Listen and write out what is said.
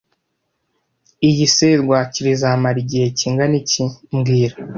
Iyi serwakira izamara igihe kingana iki mbwira